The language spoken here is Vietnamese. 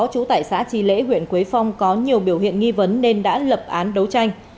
trú tại xã tri lễ huyện quế phong có nhiều biểu hiện nghi vấn nên đã lập án đấu tranh